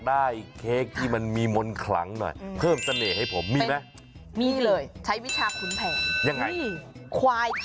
ไอเดียเขาดีมาก